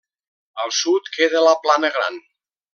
Al sud queda la Plana Gran.